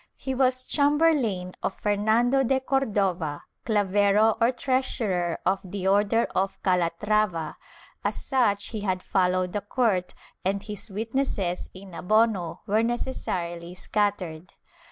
He was chamberlain of Fernando de Cordova, clavero or treasurer of the Order of Calatrava; as such he had followed the court, and his witnesses in abono were neces sarily scattered.